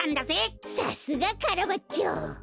さすがカラバッチョ。